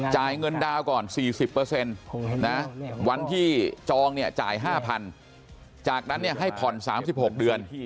จ่ายเงินดาวก่อน๔๐วันที่จองเนี่ยจ่าย๕๐๐๐จากนั้นให้ผ่อน๓๖เดือน